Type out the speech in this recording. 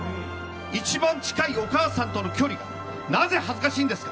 一番近いお母さんとの距離がなぜ恥ずかしいんですか？